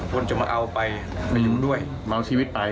มีคนจะมาเอาไปมาอยู่ด้วยมาเอาชีวิตไป